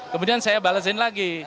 kemudian saya balesin lagi